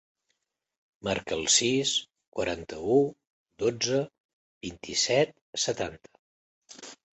Marca el sis, quaranta-u, dotze, vint-i-set, setanta.